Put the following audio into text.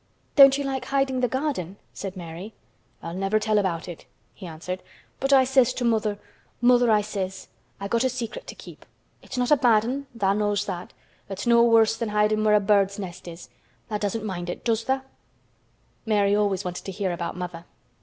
"Don't you like hiding the garden?" said Mary. "I'll never tell about it," he answered. "But I says to mother, 'Mother,' I says, 'I got a secret to keep. It's not a bad 'un, tha' knows that. It's no worse than hidin' where a bird's nest is. Tha' doesn't mind it, does tha'?'" Mary always wanted to hear about mother.